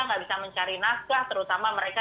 nggak bisa mencari naskah terutama mereka